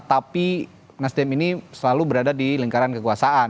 tapi nasdem ini selalu berada di lingkaran kekuasaan